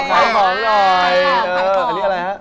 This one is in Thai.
อันนี้ก็คือใข่คอม